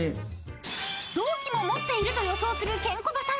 ［同期も持っていると予想するケンコバさん］